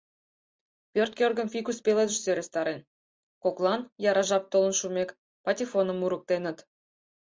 Пӧрт кӧргым фикус пеледыш сӧрастарен, коклан, яра жап толын шумек, патефоным мурыктеныт.